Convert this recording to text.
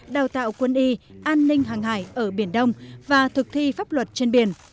đào tạo quân y an ninh hàng hải ở biển đông và thực thi pháp luật trên biển